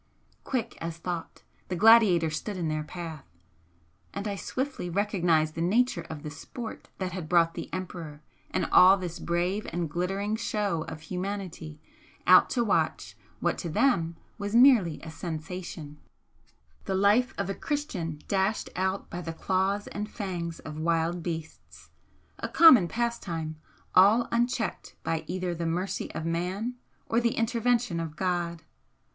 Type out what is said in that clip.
Quick as thought, the gladiator stood in their path and I swiftly recognised the nature of the 'sport' that had brought the Emperor and all this brave and glittering show of humanity out to watch what to them was merely a 'sensation' the life of a Christian dashed out by the claws and fangs of wild beasts a common pastime, all unchecked by either the mercy of man or the intervention of God!